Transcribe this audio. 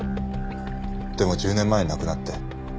でも１０年前に亡くなって。